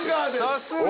さすが。